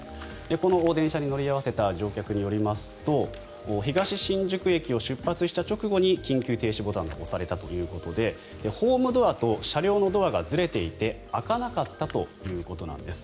この電車に乗り合わせた乗客によりますと東新宿駅を出発した直後に緊急停止ボタンが押されたということでホームドアと車両のドアがずれていて開かなかったということなんです。